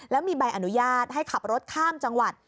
แล้วมีใบอนุญาตให้ขับรถข้ามจังหวัด